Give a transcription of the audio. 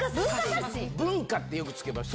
文化ってよくつけた。